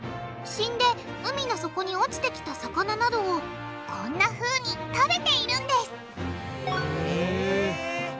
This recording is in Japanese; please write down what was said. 死んで海の底に落ちてきた魚などをこんなふうに食べているんですへぇ。